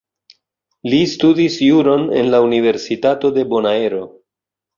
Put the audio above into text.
Li studis Juron en la Universitato de Bonaero.